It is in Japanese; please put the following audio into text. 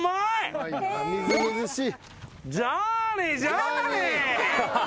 超みずみずしい。